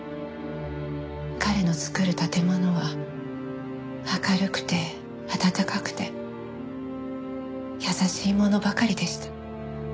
彼の作る建物は明るくて温かくて優しいものばかりでした。